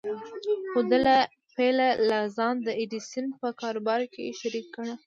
خو ده له پيله لا ځان د ايډېسن په کاروبار کې شريک ګاڼه.